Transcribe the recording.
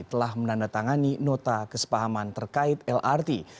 telah menandatangani nota kesepahaman terkait lrt